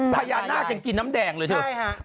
พญานาคกินน้ำแดงเลยใช่ไหม